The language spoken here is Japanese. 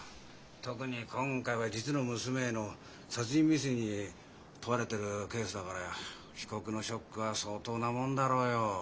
特に今回は実の娘への殺人未遂に問われてるケースだから被告のショックは相当なもんだろうよ。